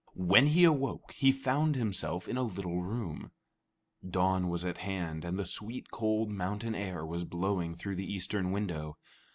When he awoke, he found himself in a little room. Dawn was at hand, and the sweet, cold mountain air was blowing through the eastern window.